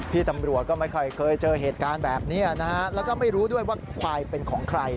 พี่ตำรวจก็ไม่ค่อยเคยเจอเหตุการณ์แบบนี้นะฮะแล้วก็ไม่รู้ด้วยว่าควายเป็นของใคร